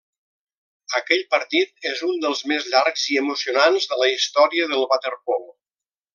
Aquell partit és un dels més llargs i emocionants de la història del waterpolo.